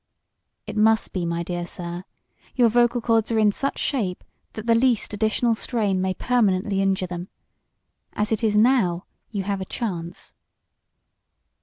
"It must be, my dear sir. Your vocal chords are in such shape that the least additional strain may permanently injure them. As it is now you have a chance."